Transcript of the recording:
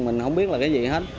mình không biết là cái gì hết